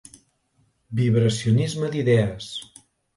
Vibracionisme d'idees.